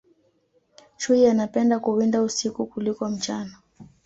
chui anapenda kuwinda usiku kuliko mchana